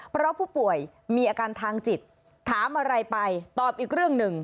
เพราะผู้ป่วยมีอาการทางจิตถามอะไรไปตอบอีกเรื่องหนึ่ง